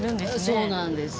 そうなんです。